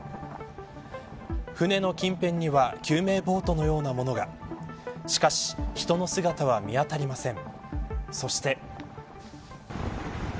船の近辺には救命ボートのようなものがしかし人の姿は見当たりません。